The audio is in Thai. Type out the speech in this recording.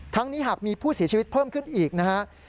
นี้หากมีผู้เสียชีวิตเพิ่มขึ้นอีกนะครับ